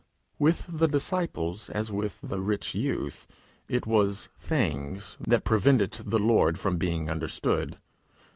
With the disciples as with the rich youth, it was Things that prevented the Lord from being understood.